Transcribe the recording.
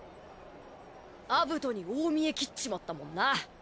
アブトに大見得切っちまったもんな。